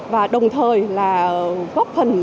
và đồng thời là góp phần